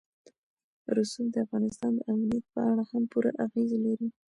رسوب د افغانستان د امنیت په اړه هم پوره اغېز لري.